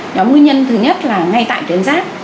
nhóm nguyên nhân thứ nhất là ngay tại tuyến giáp